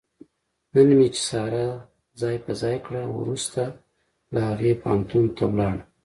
نن مې چې ساره ځای په ځای کړه، ورسته له هغې پوهنتون ته ولاړم.